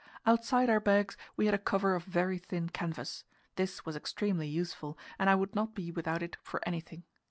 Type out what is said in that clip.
Outside our bags we had a cover of very thin canvas; this was extremely useful, and I would not be without it for anything.